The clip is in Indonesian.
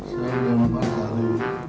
saya sudah empat hari lima hari ini sakit